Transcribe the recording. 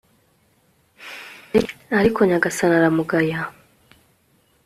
ariko nyagasani aramugaya